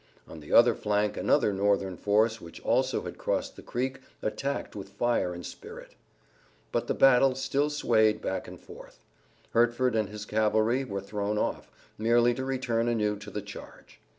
On the other flank another Northern force which also had crossed the creek attacked with fire and spirit. But the battle still swayed back and forth. Hertford and his cavalry were thrown off, merely to return anew to the charge.